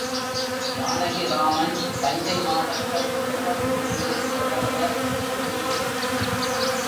ஜானகிராமன் தஞ்சை மாவட்டம் தேவங்குடியில் பிறந்த தி.